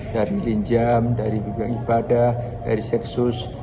dari linjam dari ibadah dari seksus